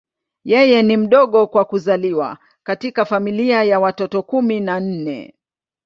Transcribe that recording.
Yeye ni mdogo kwa kuzaliwa katika familia ya watoto kumi na nne.